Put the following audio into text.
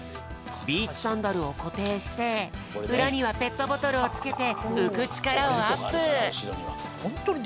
ビーチサンダルをこていしてうらにはペットボトルをつけてうくちからをアップ！